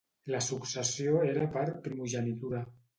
La successió era per primogenitura.